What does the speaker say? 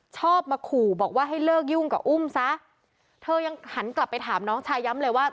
ชอบมาขู่บอกว่าให้เลิกยุ่งกับอุ้มซะเธอยังหันกลับไปถามน้องชายย้ำเลยว่า